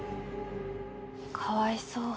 かわいそう。